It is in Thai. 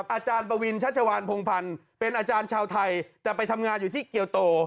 อาจารย์ปวินชัชวานพงพันธ์เป็นอาจารย์ชาวไทยแต่ไปทำงานอยู่ที่เกียวโต